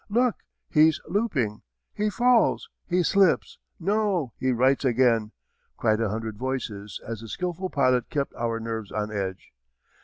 "Look! he's looping! he falls! he slips! no, he rights again!" cried a hundred voices as the skilful pilot kept our nerves on edge.